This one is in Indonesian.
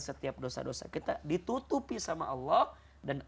setiap dosa dosa kita ditutupi sama allah dan ditutupi sama allah dan ditutupi sama allah dan